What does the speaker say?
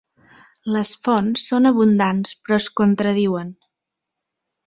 Les fonts són abundants però es contradiuen.